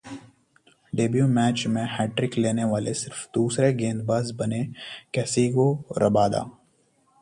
debut match में hat trick लेने वाले सिर्फ दूसरे गेंदबाज बने कैसिगो रबादा